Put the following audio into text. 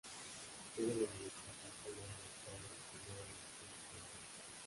Juega de mediocampista en Libertad de la Primera División de Paraguay.